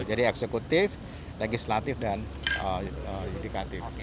jadi eksekutif legislatif dan yudikatif